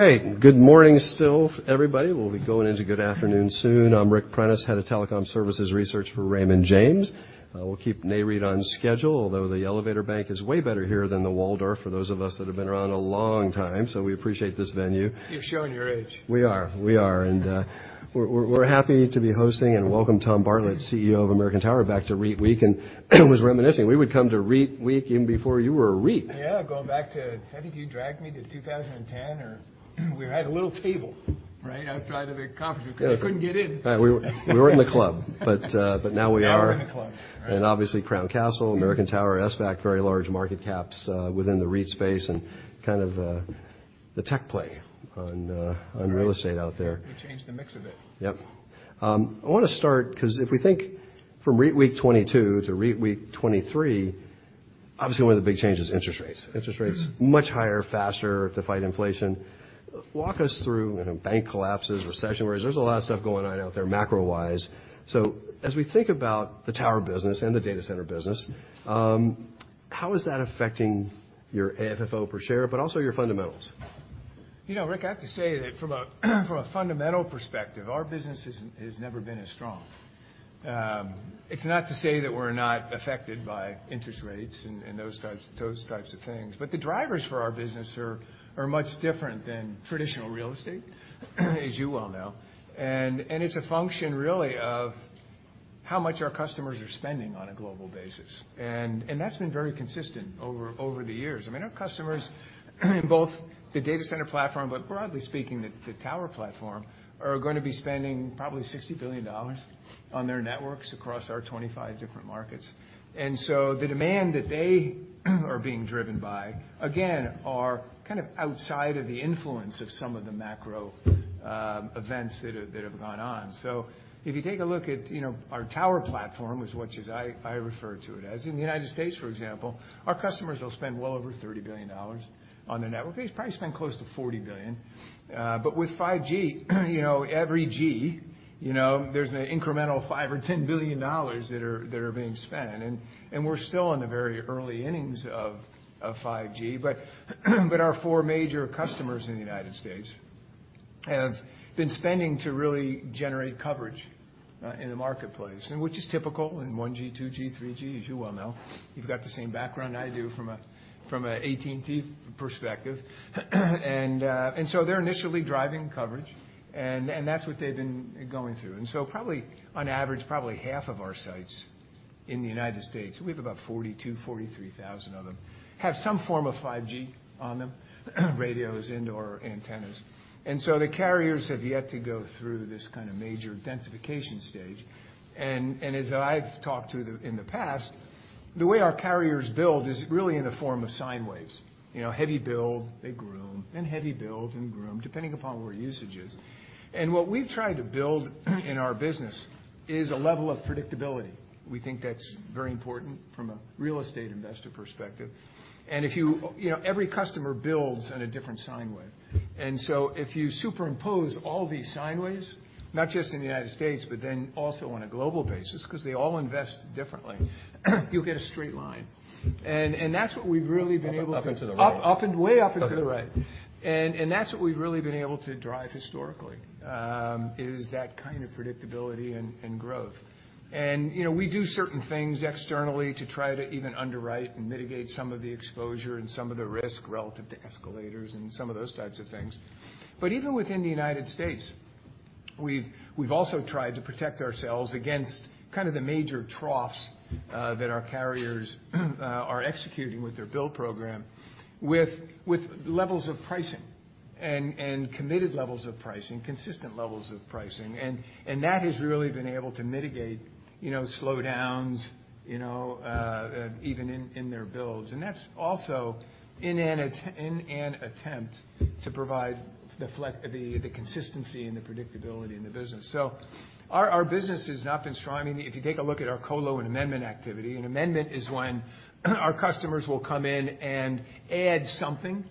Hey, good morning still, everybody. We'll be going into good afternoon soon. I'm Ric Prentiss, Head of Telecom Services Research for Raymond James. We'll keep Nareit on schedule, although the elevator bank is way better here than the Waldorf, for those of us that have been around a long time, so we appreciate this venue. You're showing your age. We are, and we're happy to be hosting, and welcome Tom Bartlett, CEO of American Tower, back to REITweek. Was reminiscing, we would come to REITweek even before you were a REIT. Yeah, going back to, I think you dragged me to 2010, or we had a little table, right? Outside of the conference room. Yeah. because we couldn't get in. Right, we were, we weren't in the club. But now we are. Now we're in the club, right. Obviously, Crown Castle, American Tower, SBA Communications, very large market caps, within the REIT space, and kind of, the tech play on. Right on real estate out there. We changed the mix a bit. Yep. I wanna start, 'cause if we think from REITweek 2022 to REITweek 2023, obviously, one of the big changes is interest rates. Mm... much higher, faster to fight inflation. Walk us through, you know, bank collapses, recession worries. There's a lot of stuff going on out there macro-wise. As we think about the tower business and the data center business, how is that affecting your AFFO per share, but also your fundamentals? You know, Ric, I have to say that from a fundamental perspective, our business has never been as strong. It's not to say that we're not affected by interest rates and those types of things, but the drivers for our business are much different than traditional real estate, as you well know. It's a function, really, of how much our customers are spending on a global basis. That's been very consistent over the years. I mean, our customers, both the data center platform, but broadly speaking, the tower platform, are going to be spending probably $60 billion on their networks across our 25 different markets. The demand that they are being driven by, again, are kind of outside of the influence of some of the macro events that have gone on. If you take a look at, you know, our tower platform, which is I refer to it as, in the United States, for example, our customers will spend well over $30 billion on their network. They probably spend close to $40 billion. But with 5G, you know, every G, you know, there's an incremental $5 billion or $10 billion that are being spent, and we're still in the very early innings of 5G. But our four major customers in the United States have been spending to really generate coverage in the marketplace, and which is typical in 1G, 2G, 3G, as you well know. You've got the same background I do from a AT&T perspective. They're initially driving coverage, and that's what they've been going through. Probably, on average, half of our sites in the U.S., we have about 42,000-43,000 of them, have some form of 5G on them, radios, indoor antennas. The carriers have yet to go through this kind of major densification stage. As I've talked to in the past, the way our carriers build is really in the form of sine waves. You know, heavy build, they groom, then heavy build, then groom, depending upon where usage is. What we've tried to build in our business is a level of predictability. We think that's very important from a real estate investor perspective. You know, every customer builds in a different sine wave. If you superimpose all these sine waves, not just in the United States, but then also on a global basis, 'cause they all invest differently, you'll get a straight line. That's what we've really been able to. Up, up into the right. Up, up and way up and to the right. Okay. That's what we've really been able to drive historically, is that kind of predictability and growth. You know, we do certain things externally to try to even underwrite and mitigate some of the exposure and some of the risk relative to escalators and some of those types of things. Even within the United States, we've also tried to protect ourselves against kind of the major troughs that our carriers are executing with their build program, with levels of pricing and committed levels of pricing, consistent levels of pricing. That has really been able to mitigate, you know, slowdowns, you know, even in their builds. That's also in an attempt to provide the consistency and the predictability in the business. Our business has not been strong. I mean, if you take a look at our colo and amendment activity, an amendment is when our customers will come in and add something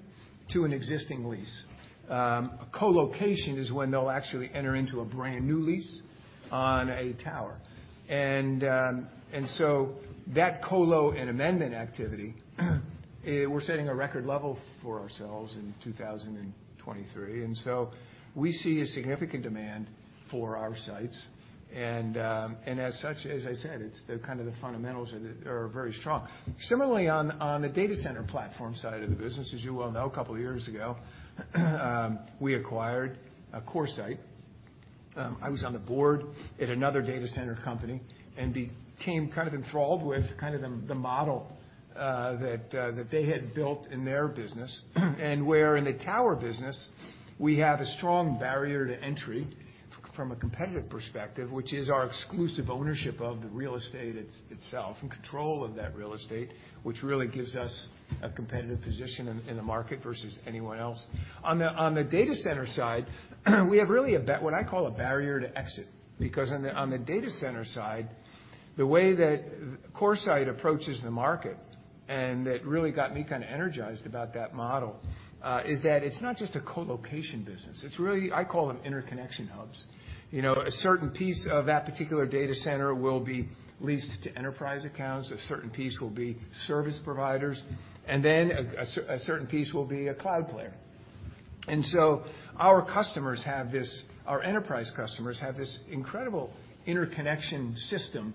to an existing lease. A colocation is when they'll actually enter into a brand-new lease on a tower. That colo and amendment activity, we're setting a record level for ourselves in 2023, we see a significant demand for our sites. As such, as I said, kind of the fundamentals are very strong. Similarly, on the data center platform side of the business, as you well know, a couple of years ago, we acquired CoreSite. I was on the board at another data center company and became kind of enthralled with kind of the model that they had built in their business. Where in the tower business, we have a strong barrier to entry from a competitive perspective, which is our exclusive ownership of the real estate itself and control of that real estate, which really gives us a competitive position in the market versus anyone else. On the data center side, we have really what I call a barrier to exit, because on the data center side, the way that CoreSite approaches the market, and that really got me kind of energized about that model, is that it's not just a colocation business. It's really, I call them interconnection hubs. You know, a certain piece of that particular data center will be leased to enterprise accounts, a certain piece will be service providers, and then a certain piece will be a cloud player. Our enterprise customers have this incredible interconnection system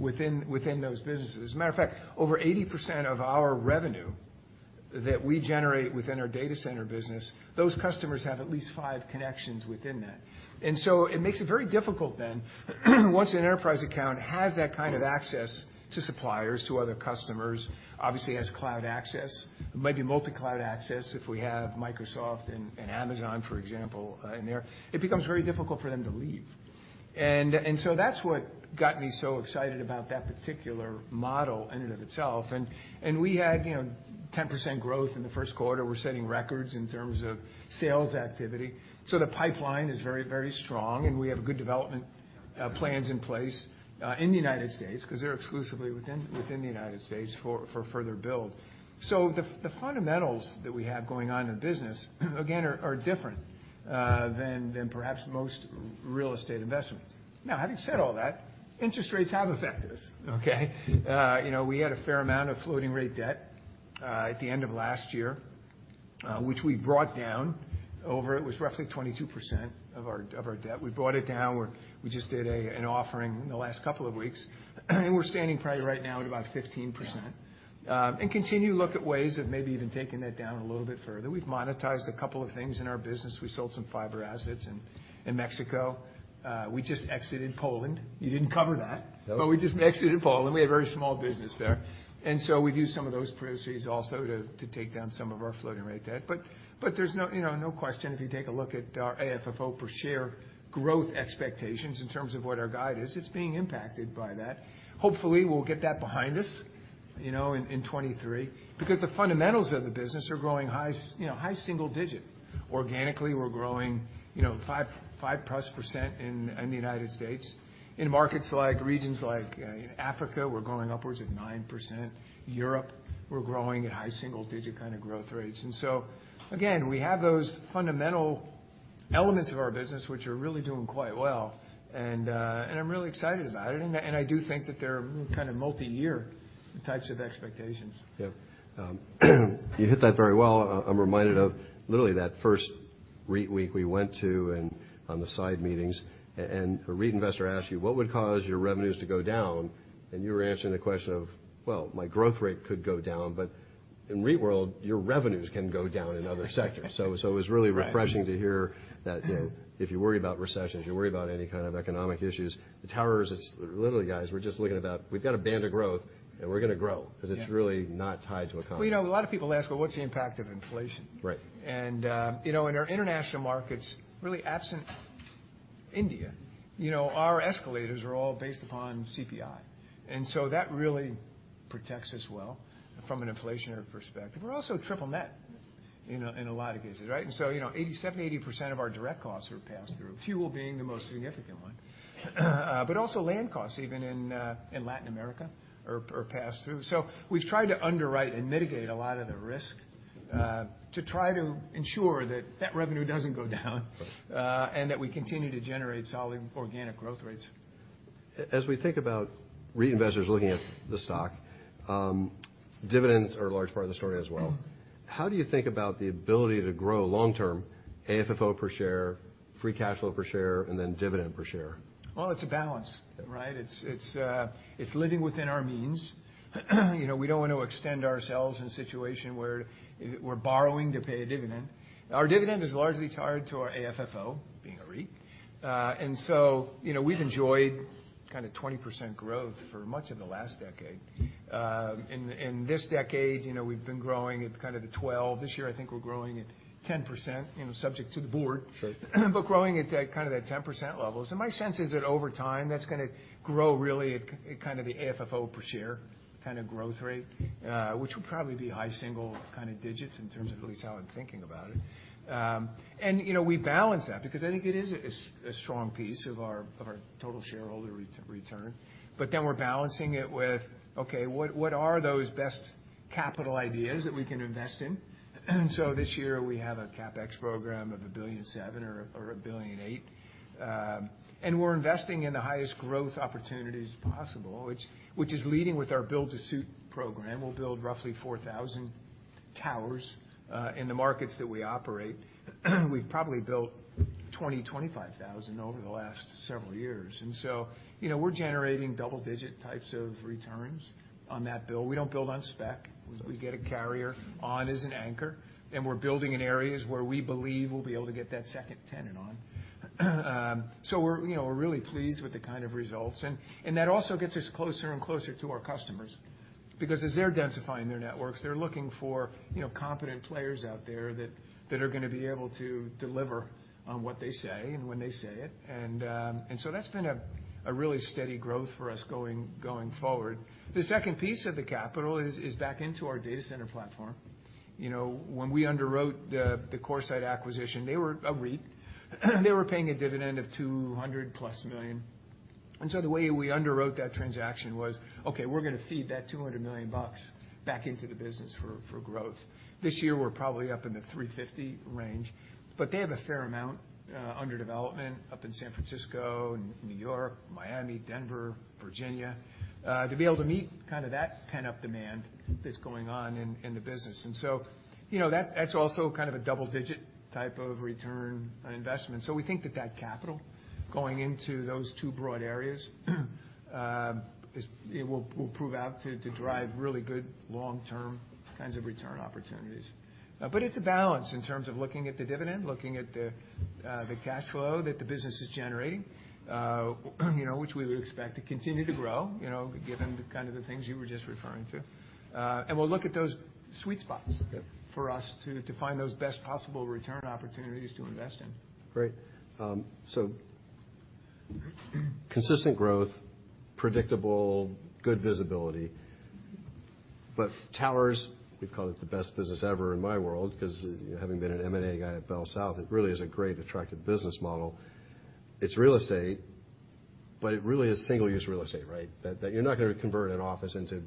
within those businesses. As a matter of fact, over 80% of our revenue that we generate within our data center business, those customers have at least 5 connections within that. It makes it very difficult then, once an enterprise account has that kind of access to suppliers, to other customers, obviously has cloud access, it might be multi-cloud access, if we have Microsoft and Amazon, for example, in there, it becomes very difficult for them to leave. That's what got me so excited about that particular model in and of itself. We had, you know, 10% growth in the first quarter. We're setting records in terms of sales activity, the pipeline is very, very strong, and we have good development plans in place in the United States, because they're exclusively within the United States for further build. The fundamentals that we have going on in the business, again, are different than perhaps most real estate investments. Having said all that, interest rates have affected us, okay? You know, we had a fair amount of floating rate debt at the end of last year, which we brought down. It was roughly 22% of our debt. We brought it down where we just did an offering in the last couple of weeks, and we're standing probably right now at about 15%. continue to look at ways of maybe even taking that down a little bit further. We've monetized a couple of things in our business. We sold some fiber assets in Mexico. We just exited Poland. You didn't cover that. Nope. We just exited Poland. We had a very small business there, and so we've used some of those proceeds also to take down some of our floating rate debt. There's no, you know, no question, if you take a look at our AFFO per share growth expectations in terms of what our guide is, it's being impacted by that. Hopefully, we'll get that behind us, you know, in 2023, because the fundamentals of the business are growing you know, high single digit. Organically, we're growing, you know, 5+% in the United States. In markets like, regions like, Africa, we're growing upwards of 9%. Europe, we're growing at high single digit kind of growth rates. Again, we have those fundamental elements of our business, which are really doing quite well, and I'm really excited about it. I do think that they're kind of multiyear types of expectations. Yep. You hit that very well. I'm reminded of literally that first REITweek we went to. On the side meetings, a REIT investor asked you: What would cause your revenues to go down? You were answering the question of, "Well, my growth rate could go down," in REIT world, your revenues can go down in other sectors. It was really refreshing- Right. -to hear that, you know, if you worry about recessions, you worry about any kind of economic issues, the towers, it's literally, guys, we're just looking about, we've got a band of growth, and we're gonna grow Yeah. because it's really not tied to economy. Well, you know, a lot of people ask, Well, what's the impact of inflation? Right. You know, in our international markets, really absent India, you know, our escalators are all based upon CPI, that really protects us well from an inflationary perspective. We're also triple net, you know, in a lot of cases, right? You know, 87%, 80% of our direct costs are passed through, fuel being the most significant one. But also land costs, even in Latin America, are passed through. We've tried to underwrite and mitigate a lot of the risk, to try to ensure that that revenue doesn't go down, and that we continue to generate solid organic growth rates. As we think about reinvestors looking at the stock, dividends are a large part of the story as well. Mm-hmm. How do you think about the ability to grow long-term AFFO per share, free cash flow per share, and then dividend per share? Well, it's a balance, right? It's living within our means. You know, we don't want to extend ourselves in a situation where we're borrowing to pay a dividend. Our dividend is largely tied to our AFFO, being a REIT. You know, we've enjoyed kind of 20% growth for much of the last decade. In this decade, you know, we've been growing at kind of the 12. This year, I think we're growing at 10%, you know, subject to the board. Sure. Growing at that, kind of that 10% level. My sense is that over time, that's gonna grow really at kind of the AFFO per share kind of growth rate, which will probably be high single-digit in terms of at least how I'm thinking about it. And, you know, we balance that because I think it is a strong piece of our, of our total shareholder return. Then we're balancing it with, okay, what are those best capital ideas that we can invest in? This year, we have a CapEx program of $1.7 billion or $1.8 billion. And we're investing in the highest growth opportunities possible, which is leading with our build-to-suit program. We'll build roughly 4,000 towers in the markets that we operate. We've probably built 20, 25 thousand over the last several years. You know, we're generating double-digit types of returns on that build. We don't build on spec. We get a carrier on as an anchor, and we're building in areas where we believe we'll be able to get that second tenant on. You know, we're really pleased with the kind of results. That also gets us closer and closer to our customers, because as they're densifying their networks, they're looking for, you know, competent players out there that are gonna be able to deliver on what they say and when they say it. That's been a really steady growth for us going forward. The second piece of the capital is back into our data center platform. You know, when we underwrote the CoreSite acquisition, they were a REIT. They were paying a dividend of $200+ million. The way we underwrote that transaction was, okay, we're gonna feed that $200 million bucks back into the business for growth. This year, we're probably up in the $350 range, but they have a fair amount under development up in San Francisco, New York, Miami, Denver, Virginia to be able to meet kind of that pent-up demand that's going on in the business. You know, that's also kind of a double-digit type of return on investment. We think that that capital going into those two broad areas, it will prove out to drive really good long-term kinds of return opportunities. It's a balance in terms of looking at the dividend, looking at the cash flow that the business is generating, you know, which we would expect to continue to grow, you know, given the kind of the things you were just referring to. We'll look at those sweet spots. Okay. for us to find those best possible return opportunities to invest in. Great. Consistent growth, predictable, good visibility. Towers, we call it the best business ever in my world, 'cause, having been an M&A guy at BellSouth, it really is a great, attractive business model. It's real estate, it really is single-use real estate, right? That you're not gonna convert an office into,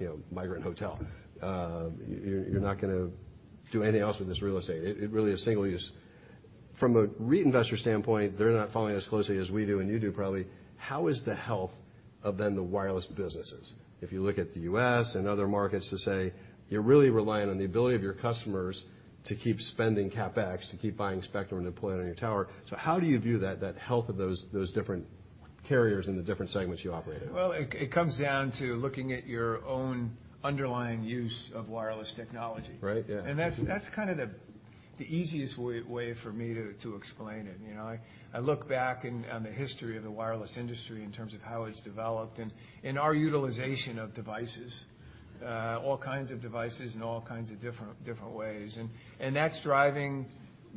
you know, migrant hotel. You're not gonna do anything else with this real estate. It really is single use. From a REIT investor standpoint, they're not following as closely as we do, and you do probably. How is the health of then the wireless businesses? If you look at the U.S. and other markets to say, you're really relying on the ability of your customers to keep spending CapEx, to keep buying spectrum and deploy it on your tower. How do you view that health of those different carriers in the different segments you operate in? It comes down to looking at your own underlying use of wireless technology. Right, yeah. That's kind of the easiest way for me to explain it. You know, I look back and, on the history of the wireless industry in terms of how it's developed and our utilization of devices, all kinds of devices in all kinds of different ways. That's driving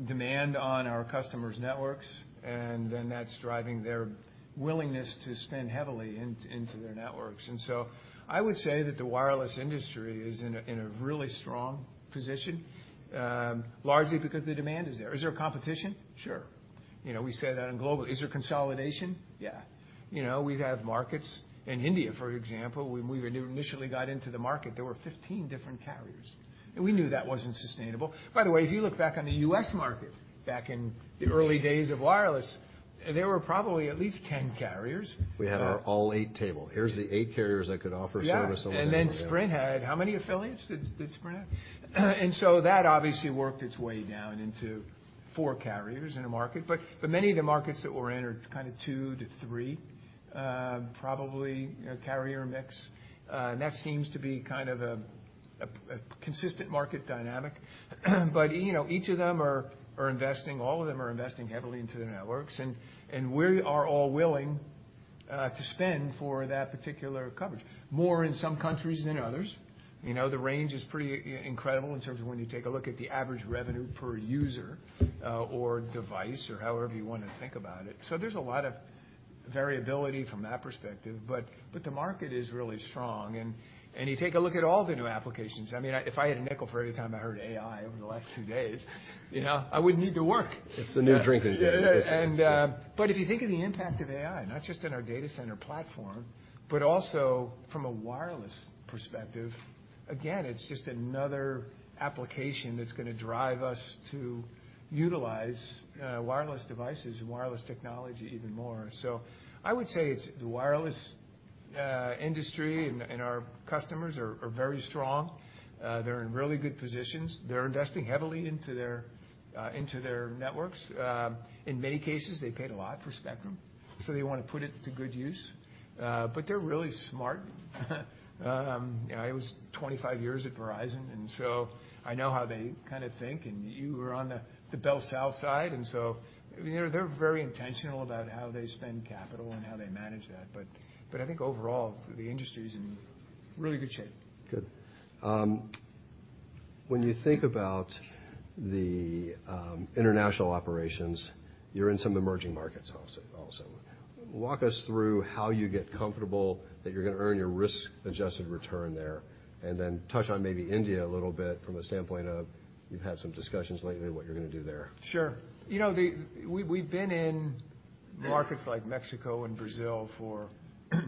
demand on our customers' networks, then that's driving their willingness to spend heavily into their networks. I would say that the wireless industry is in a really strong position, largely because the demand is there. Is there competition? Sure. You know, we say that on global. Is there consolidation? Yeah. You know, we've had markets in India, for example, when we were initially got into the market, there were 15 different carriers, and we knew that wasn't sustainable. By the way, if you look back on the U.S. market, back in the early days of wireless, there were probably at least 10 carriers. We had our all eight table. Here's the eight carriers that could offer service- Yeah. Sprint had, how many affiliates did Sprint have? That obviously worked its way down into four carriers in the market. Many of the markets that we're in are kind of two to three, probably, a carrier mix. That seems to be kind of a consistent market dynamic. You know, each of them are investing, all of them are investing heavily into their networks, and we are all willing to spend for that particular coverage. More in some countries than others. You know, the range is pretty incredible in terms of when you take a look at the average revenue per user, or device or however you want to think about it. There's a lot of variability from that perspective, but the market is really strong. You take a look at all the new applications. I mean, if I had a nickel for every time I heard AI over the last 2 days, you know, I wouldn't need to work. It's the new drinking game. But if you think of the impact of AI, not just in our data center platform, but also from a wireless perspective, again, it's just another application that's gonna drive us to utilize wireless devices and wireless technology even more. I would say it's the wireless industry, and our customers are very strong. They're in really good positions. They're investing heavily into their networks. In many cases, they paid a lot for spectrum, so they want to put it to good use. But they're really smart. I was 25 years at Verizon, I know how they kinda think, and you were on the BellSouth side, you know, they're very intentional about how they spend capital and how they manage that. I think overall, the industry is in really good shape. Good. When you think about the international operations, you're in some emerging markets also. Walk us through how you get comfortable that you're gonna earn your risk-adjusted return there, and then touch on maybe India a little bit from a standpoint of, you've had some discussions lately, what you're gonna do there. Sure. You know, we've been in markets like Mexico and Brazil for,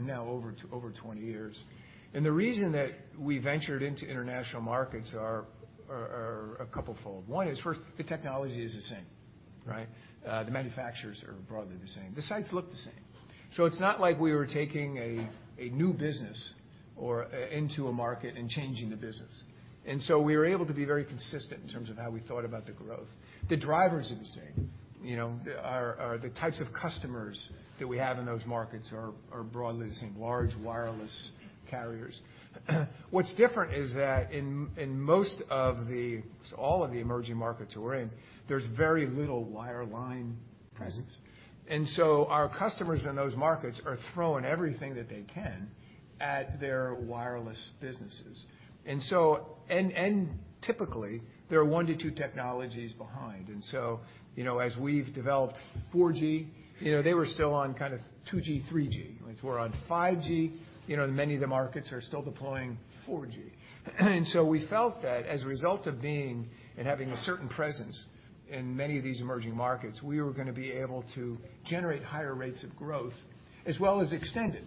now over 20 years. The reason that we ventured into international markets are a couplefold. One is, first, the technology is the same, right? The manufacturers are broadly the same. The sites look the same. It's not like we were taking a new business or into a market and changing the business. We were able to be very consistent in terms of how we thought about the growth. The drivers are the same. You know, our, the types of customers that we have in those markets are broadly the same, large wireless carriers. What's different is that in most of the, all of the emerging markets that we're in, there's very little wireline presence. Mm-hmm. Our customers in those markets are throwing everything that they can at their wireless businesses. Typically, there are 1 to 2 technologies behind. You know, as we've developed 4G, you know, they were still on kind of 2G, 3G. As we're on 5G, you know, many of the markets are still deploying 4G. We felt that as a result of being and having a certain presence in many of these emerging markets, we were gonna be able to generate higher rates of growth, as well as extend it,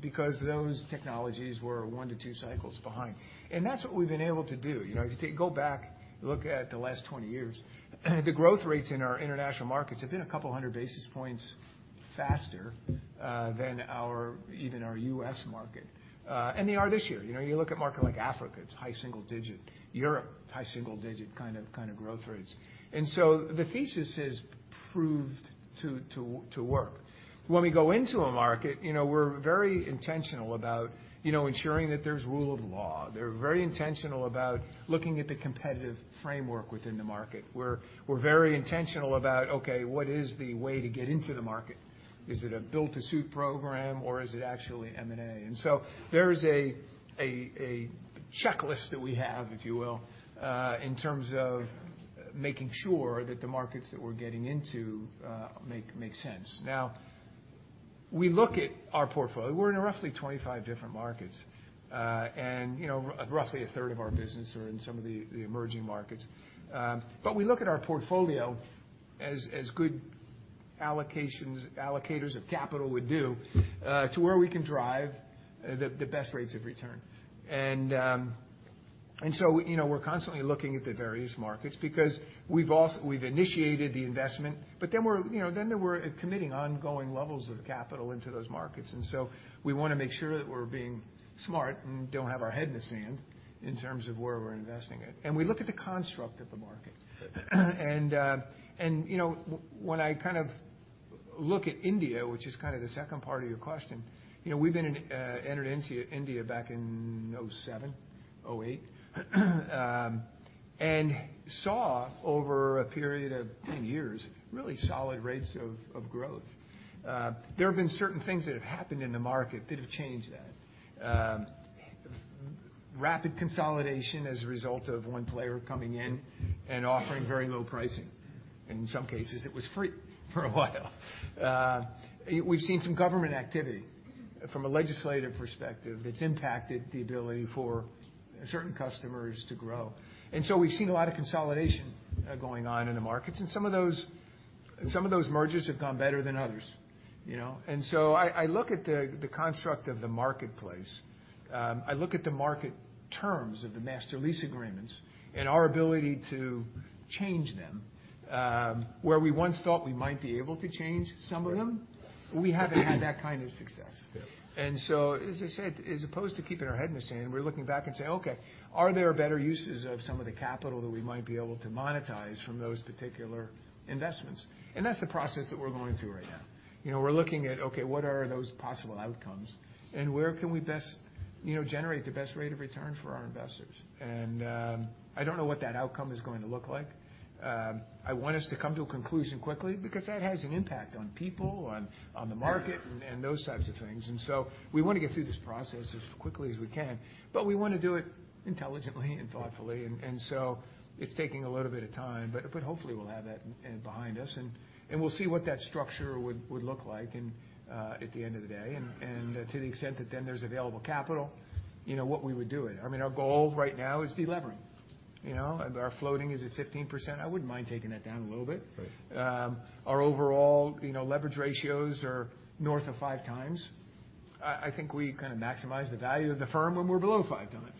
because those technologies were 1 to 2 cycles behind. That's what we've been able to do. You know, if you take, go back, look at the last 20 years, the growth rates in our international markets have been a couple hundred basis points faster than our, even our U.S. market. They are this year. You know, you look at market like Africa, it's high single-digit. Europe, it's high single-digit kind of growth rates. The thesis is proved to work. When we go into a market, you know, we're very intentional about, you know, ensuring that there's rule of law. They're very intentional about looking at the competitive framework within the market. We're very intentional about, okay, what is the way to get into the market? Is it a build-to-suit program, or is it actually M&A? There is a checklist that we have, if you will, in terms of making sure that the markets that we're getting into, make sense. Now, we look at our portfolio. We're in roughly 25 different markets, you know, roughly a third of our business are in some of the emerging markets. We look at our portfolio as good allocators of capital would do, to where we can drive the best rates of return. You know, we're constantly looking at the various markets because we've initiated the investment, we're, you know, committing ongoing levels of capital into those markets. We want to make sure that we're being smart and don't have our head in the sand in terms of where we're investing it. We look at the construct of the market. You know, when I kind of look at India, which is kind of the second part of your question, you know, entered into India back in 2007, 2008, and saw over a period of 10 years, really solid rates of growth. There have been certain things that have happened in the market that have changed that. Rapid consolidation as a result of one player coming in and offering very low pricing. In some cases, it was free for a while. We've seen some government activity from a legislative perspective that's impacted the ability for certain customers to grow. We've seen a lot of consolidation going on in the markets, and some of those, some of those mergers have gone better than others, you know? I look at the construct of the marketplace. I look at the market terms of the master lease agreements and our ability to change them. Where we once thought we might be able to change some of them, we haven't had that kind of success. Yeah. As I said, as opposed to keeping our head in the sand, we're looking back and say: Okay, are there better uses of some of the capital that we might be able to monetize from those particular investments? That's the process that we're going through right now. You know, we're looking at, okay, what are those possible outcomes, and where can we best, you know, generate the best rate of return for our investors? I don't know what that outcome is going to look like. I want us to come to a conclusion quickly because that has an impact on people, on the market, and those types of things. We want to get through this process as quickly as we can, but we want to do it intelligently and thoughtfully. It's taking a little bit of time, but hopefully we'll have that behind us, and we'll see what that structure would look like at the end of the day. To the extent that then there's available capital, you know, what we would do it. I mean, our goal right now is delevering. You know, our floating is at 15%. I wouldn't mind taking that down a little bit. Right. Our overall, you know, leverage ratios are north of five times. I think we kind of maximize the value of the firm when we're below five times.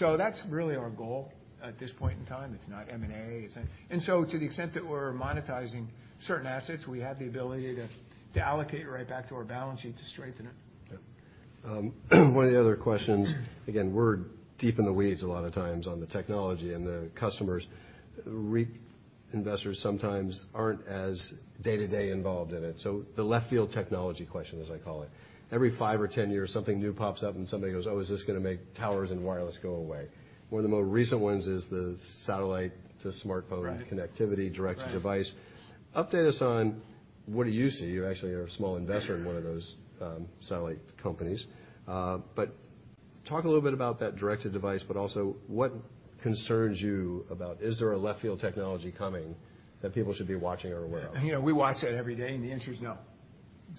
That's really our goal at this point in time. It's not M&A. To the extent that we're monetizing certain assets, we have the ability to allocate right back to our balance sheet to strengthen it. Yep. One of the other questions, again, we're deep in the weeds a lot of times on the technology and the customers. REIT investors sometimes aren't as day-to-day involved in it. The left field technology question, as I call it, every 5 or 10 years, something new pops up, and somebody goes: Oh, is this gonna make towers and wireless go away? One of the more recent ones is the satellite to smartphone- Right connectivity direct to device. Right. Update us on what do you see? You actually are a small investor in one of those satellite companies. Talk a little bit about that direct-to-device, but also what concerns you about. Is there a left field technology coming that people should be watching or aware of? You know, we watch that every day. The answer is no.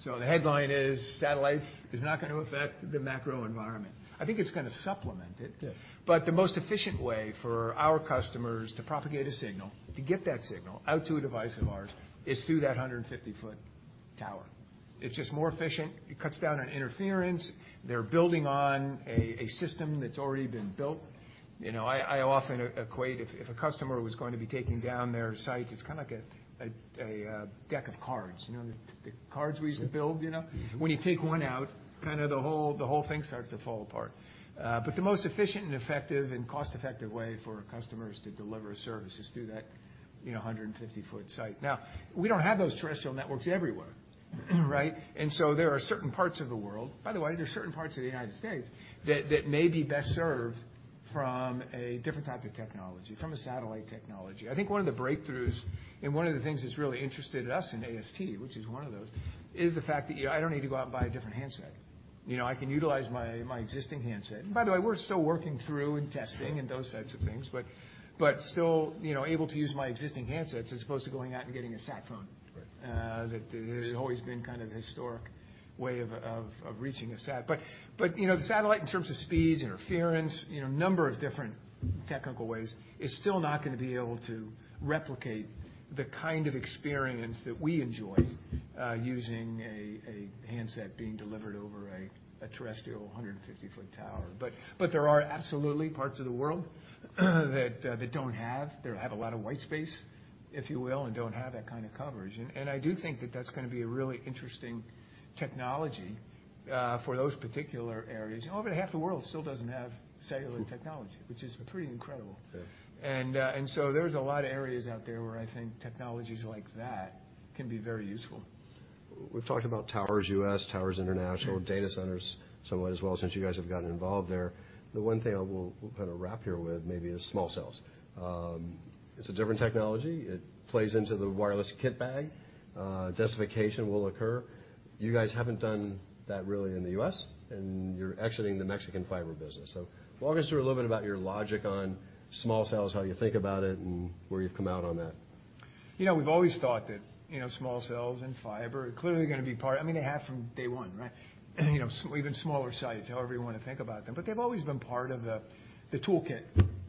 The headline is, satellites is not gonna affect the macro environment. I think it's gonna supplement it. Yeah. The most efficient way for our customers to propagate a signal, to get that signal out to a device of ours, is through that 150-foot tower. It's just more efficient. It cuts down on interference. They're building on a system that's already been built. You know, I often equate, if a customer was going to be taking down their sites, it's kind of like a deck of cards. You know, the cards we used to build, you know? Mm-hmm. When you take one out, kind of the whole, the whole thing starts to fall apart. The most efficient and effective and cost-effective way for customers to deliver a service is through that, you know, 150-foot site. Now, we don't have those terrestrial networks everywhere, right? There are certain parts of the world, by the way, there are certain parts of the United States, that may be best served from a different type of technology, from a satellite technology. I think one of the breakthroughs, and one of the things that's really interested us in AST, which is one of those, is the fact that, you know, I don't need to go out and buy a different handset. You know, I can utilize my existing handset. By the way, we're still working through and testing and those types of things, but still, you know, able to use my existing handsets as opposed to going out and getting a sat phone. Right. That has always been kind of the historic way of reaching a sat. You know, the satellite, in terms of speeds, interference, you know, a number of different technical ways, is still not gonna be able to replicate the kind of experience that we enjoy using a handset being delivered over a terrestrial 150-foot tower. There are absolutely parts of the world that they have a lot of white space, if you will, and don't have that kind of coverage. I do think that that's gonna be a really interesting technology for those particular areas. Over half the world still doesn't have cellular technology, which is pretty incredible. Yeah. ...there's a lot of areas out there where I think technologies like that can be very useful. We've talked about towers, U.S. towers, international data centers somewhat as well, since you guys have gotten involved there. The one thing I will, we'll kind of wrap here with maybe is small cells. It's a different technology. It plays into the wireless kit bag. Justification will occur. You guys haven't done that really in the U.S., and you're exiting the Mexican fiber business. Walk us through a little bit about your logic on small cells, how you think about it and where you've come out on that. You know, we've always thought that, you know, small cells and fiber are clearly gonna be part, I mean, they have from day 1, right? You know, even smaller sites, however you wanna think about them, but they've always been part of the toolkit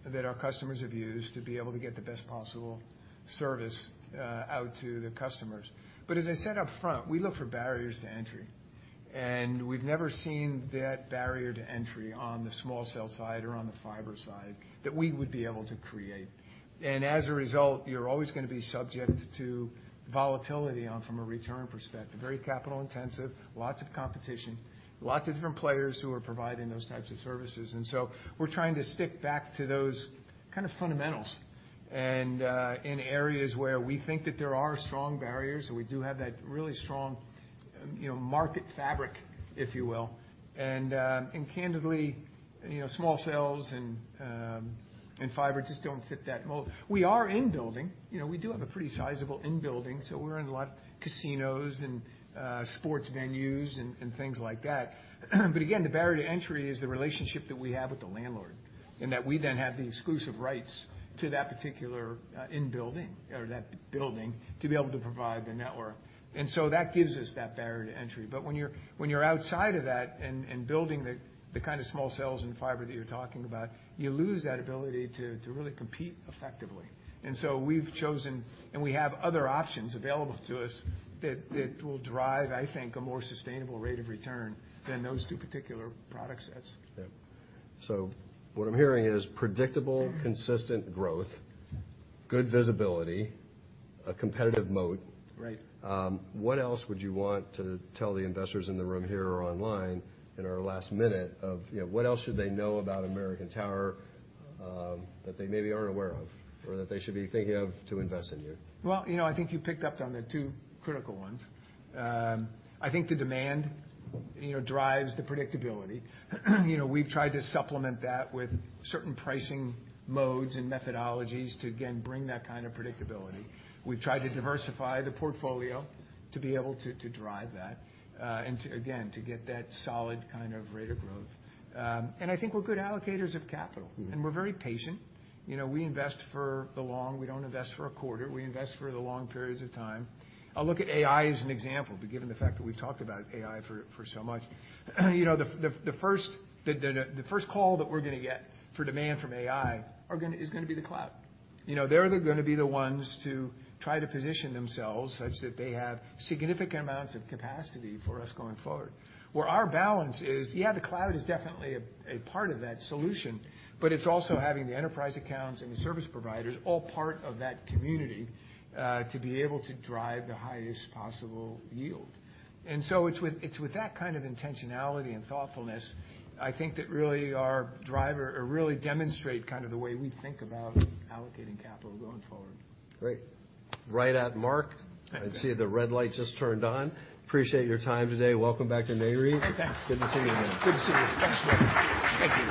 that our customers have used to be able to get the best possible service out to the customers. As I said up front, we look for barriers to entry, and we've never seen that barrier to entry on the small cell side or on the fiber side that we would be able to create. As a result, you're always gonna be subject to volatility on from a return perspective, very capital intensive, lots of competition, lots of different players who are providing those types of services. We're trying to stick back to those kind of fundamentals and in areas where we think that there are strong barriers, and we do have that really strong, you know, market fabric, if you will. Candidly, you know, small cells and fiber just don't fit that mold. We are in building, you know, we do have a pretty sizable in building, so we're in a lot of casinos and sports venues and things like that. Again, the barrier to entry is the relationship that we have with the landlord, and that we then have the exclusive rights to that particular in building or that building to be able to provide the network. That gives us that barrier to entry. When you're outside of that and building the kind of small cells and fiber that you're talking about, you lose that ability to really compete effectively. We've chosen, and we have other options available to us, that will drive, I think, a more sustainable rate of return than those two particular product sets. Yeah. What I'm hearing is predictable, consistent growth, good visibility, a competitive moat. Right. What else would you want to tell the investors in the room here or online in our last minute of, you know, what else should they know about American Tower that they maybe aren't aware of, or that they should be thinking of to invest in you? Well, you know, I think you picked up on the two critical ones. I think the demand, you know, drives the predictability. You know, we've tried to supplement that with certain pricing modes and methodologies to, again, bring that kind of predictability. We've tried to diversify the portfolio to be able to drive that, and to, again, to get that solid kind of rate of growth. I think we're good allocators of capital. Mm-hmm. We're very patient. You know, we don't invest for a quarter. We invest for the long periods of time. I'll look at AI as an example. Given the fact that we've talked about AI for so much. You know, the first call that we're gonna get for demand from AI is gonna be the cloud. You know, they're gonna be the ones to try to position themselves such that they have significant amounts of capacity for us going forward. Where our balance is, yeah, the cloud is definitely a part of that solution, but it's also having the enterprise accounts and the service providers all part of that community to be able to drive the highest possible yield. It's with that kind of intentionality and thoughtfulness, I think that really our driver or really demonstrate kind of the way we think about allocating capital going forward. Great. Right at mark. Okay. I see the red light just turned on. Appreciate your time today. Welcome back to Nareit. Thanks. Good to see you again. Good to see you. Thank you.